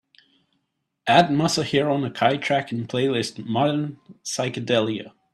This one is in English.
add Masahiro Nakai track in playlist Modern Psychedelia